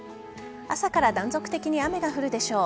朝から断続的に雨が降るでしょう。